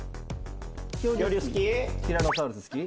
ティラノサウルス好き？